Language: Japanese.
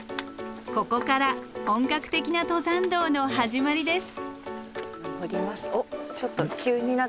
ここから本格的な登山道の始まりです。